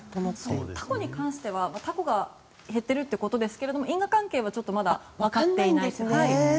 タコに関してはタコが減っているということですが因果関係はちょっとまだ分かっていませんね。